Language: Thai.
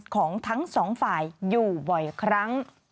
ของทั้งสองฝ่ายอยู่บ่อยครั้ง